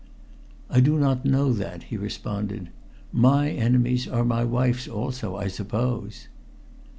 "I do not know that," he responded. "My enemies are my wife's also, I suppose."